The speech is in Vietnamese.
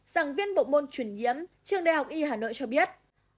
giảng viên bộ môn chuyển nhiễm trường đại học y hà nội cho biết